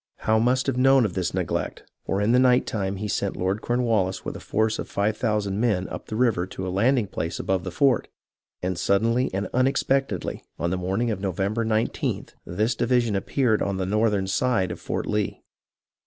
Howe must have known of this neglect, for in the night time he sent Lord Cornwallis with a force of five thousand men up the river to a landing place above the fort, and suddenly and unexpectedly, on the morning of November 19th, this division appeared on the northern side of Fort Lee.